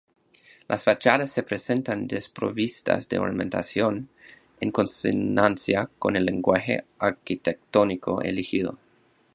Las fachadas se presentan desprovistas de ornamentación, en consonancia con el lenguaje arquitectónico elegido.